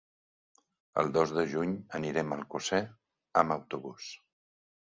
El dos de juny anirem a Alcosser amb autobús.